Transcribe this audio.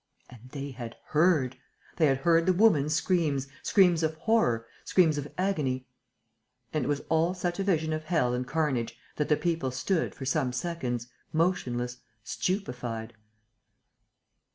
And they had heard! They had heard the woman's screams, screams of horror, screams of agony.... And it was all such a vision of hell and carnage that the people stood, for some seconds, motionless, stupefied.